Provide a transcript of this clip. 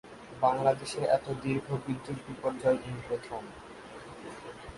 বাংলাদেশে এত দীর্ঘ বিদ্যুৎ বিপর্যয় এই প্রথম।